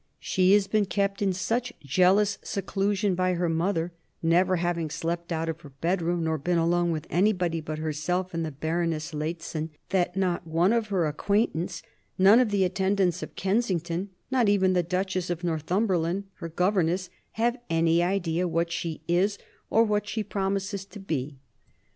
She has been kept in such jealous seclusion by her mother (never having slept out of her bedroom, nor been alone with anybody but herself and the Baroness Lehzen), that not one of her acquaintance, none of the attendants at Kensington, not even the Duchess of Northumberland, her governess, have any idea what she is or what she promises to be."